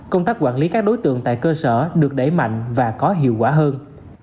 công tác quản lý các đối tượng tại cơ sở được đẩy mạnh và có hiệu quả hơn